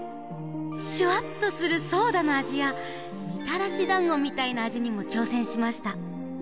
シュワっとするソーダのあじやみたらしだんごみたいなあじにもちょうせんしました。